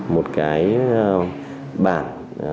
một cái bản